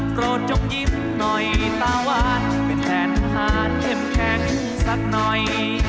โกรธจกยิ้มหน่อยตาวันเป็นแสนทานเข้มแข็งสักหน่อย